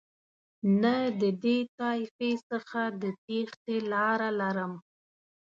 نه د دې طایفې څخه د تېښتې لاره لرم.